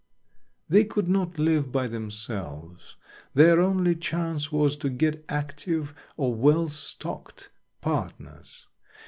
They could not live by themselves; their only chance was to get active or well stocked partners.